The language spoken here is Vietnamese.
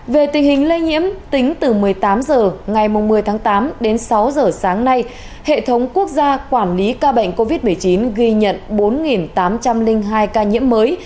về tình hình lây nhiễm tính từ một mươi tám h ngày một mươi tháng tám đến sáu giờ sáng nay hệ thống quốc gia quản lý ca bệnh covid một mươi chín ghi nhận bốn tám trăm linh hai ca nhiễm mới